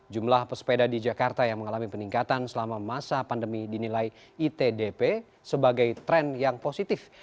jumlah pesepeda di jakarta yang mengalami peningkatan selama masa pandemi dinilai itdp sebagai tren yang positif